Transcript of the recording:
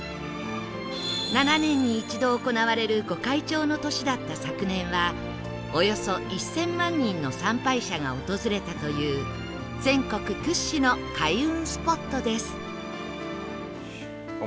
７年に一度行われる御開帳の年だった昨年はおよそ１０００万人の参拝者が訪れたという全国屈指の開運スポットです